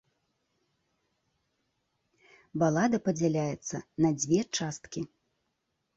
Балада падзяляецца на дзве часткі.